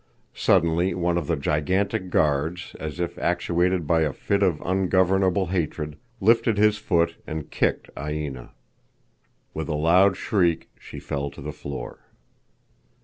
Suddenly one of the gigantic guards, as if actuated by a fit of ungovernable hatred, lifted his foot and kicked Aina. With a loud shriek, she fell to the floor.